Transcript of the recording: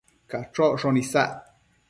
Cachocshon isac